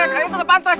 kaya itu gak pantes